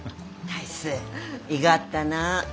大志いがったな。